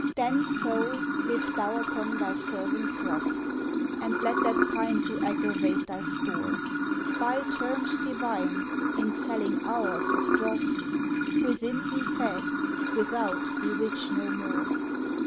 Then, soul, live thou upon thy servant's loss, And let that pine to aggravate thy store; Buy terms divine in selling hours of dross; Within be fed, without be rich no more.